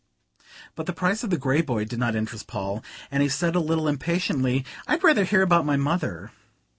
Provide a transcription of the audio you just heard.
'" But the price of the Grey Boy did not interest Paul, and he said a little impatiently: "I'd rather hear about my mother."